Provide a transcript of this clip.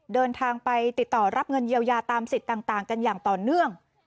เดินทางไปติดต่อรับเงินเยียวยาตามสิทธิ์ต่างกันอย่างต่อเนื่อง